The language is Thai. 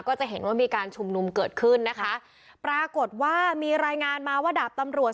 ก็จะเห็นว่ามีการชุมนุมเกิดขึ้นนะคะปรากฏว่ามีรายงานมาว่าดาบตำรวจ